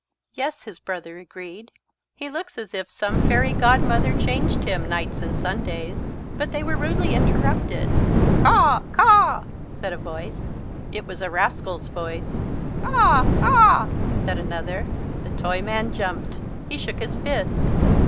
"Yes," his brother agreed. "He looks as if some fairy godmother changed him nights and Sundays." But they were rudely interrupted. "Caw, caw!" said a voice. It was a rascal's voice. "Caw, caw!" said another. The Toyman jumped. He shook his fist.